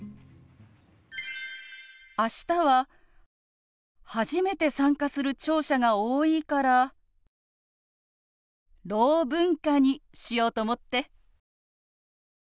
明日は初めて参加する聴者が多いから「ろう文化」にしようと思って。